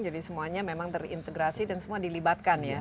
jadi semuanya memang terintegrasi dan semua dilibatkan ya